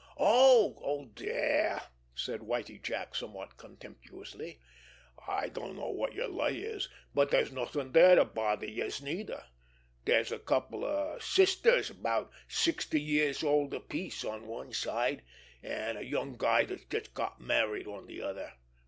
"Oh, dere!" said Whitie Jack somewhat contemptuously. "I dunno wot yer lay is, but dere's nothin' dere to bother youse neither. Dere's a couple of sisters about sixty years old apiece on one side, an' a young guy dat's just got married on de other."